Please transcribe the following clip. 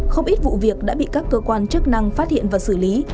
không ít vụ việc đã bị các cơ quan chức năng phát hiện và xử lý